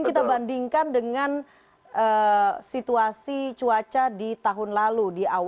ini kalau berdasarkan perakhiraan dari curah hujan jabodetabek akumulasi dua puluh empat jam